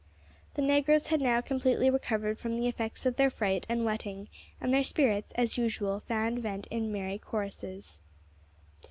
The negroes had now completely recovered from the effects of their fright and wetting, and their spirits, as usual, found vent in merry choruses.